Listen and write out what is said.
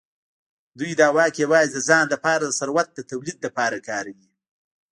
دوی دا واک یوازې د ځان لپاره د ثروت د تولید لپاره کاروي.